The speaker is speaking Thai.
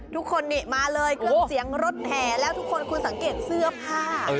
ทุกคนนี่มาเลยเครื่องเสียงรถแห่แล้วทุกคนคุณสังเกตเสื้อผ้า